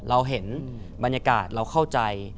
เราเห็นบรรยากาศเราเข้าใจ